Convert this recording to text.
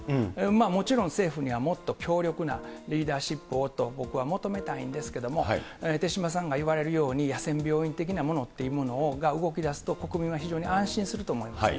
もちろん政府にはもっと強力なリーダーシップをと僕は求めたいんですけども、手嶋さんが言われるように、野戦病院的なものっていうものが動きだすと、国民は非常に安心すると思いますね。